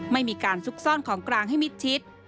ไม่มีการซุกซ่อนของกลางให้มิดชิด